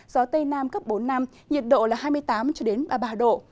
gió tây nam cấp bốn năm nhiệt độ là hai mươi tám ba mươi ba độ